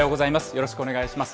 よろしくお願いします。